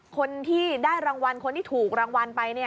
คนที่ได้รางวัลคนที่ถูกรางวัลไป